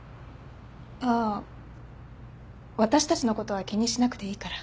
ああ私たちのことは気にしなくていいから。